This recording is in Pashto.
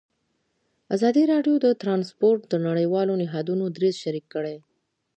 ازادي راډیو د ترانسپورټ د نړیوالو نهادونو دریځ شریک کړی.